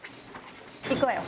行くわよ。